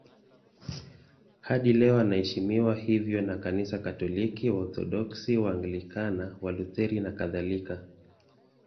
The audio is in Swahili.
Hadi leo anaheshimiwa hivyo na Kanisa Katoliki, Waorthodoksi, Waanglikana, Walutheri nakadhalika.